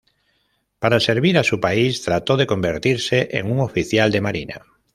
Para servir a su país trató de convertirse en un oficial de marina.